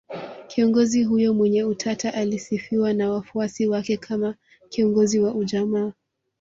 Kiongozi huyo mwenye utata alisifiwa na wafuasi wake kama kiongozi wa ujamaa